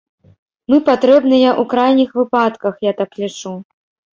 Мы патрэбныя ў крайніх выпадках, я так лічу.